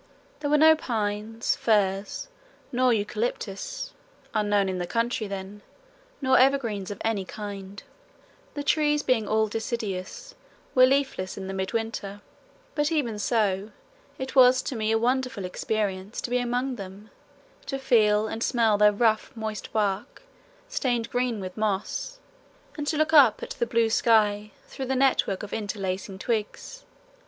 There were no pines, firs, nor eucalyptus (unknown in the country then), nor evergreens of any kind; the trees being all deciduous were leafless now in mid winter, but even so it was to me a wonderful experience to be among them, to feel and smell their rough moist bark stained green with moss, and to look up at the blue sky through the network of interlacing twigs.